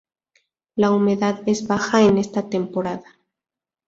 La humedad es baja en esta temporada.